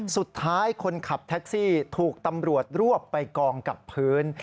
คนขับแท็กซี่ถูกตำรวจรวบไปกองกับพื้น